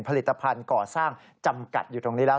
ผลิตภัณฑ์ก่อสร้างจำกัดอยู่ตรงนี้แล้ว